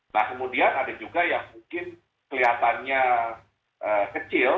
nah kemudian ada juga yang mungkin kelihatannya kecil